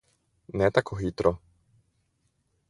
Ne tako hitro.